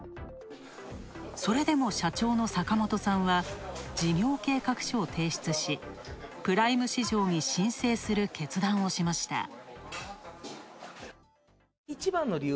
それでも社長の坂本さんは、事業計画書を提出し、プライム市場に申請する決断をしました。